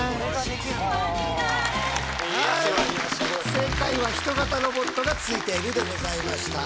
正解は人型ロボットがついているでございました。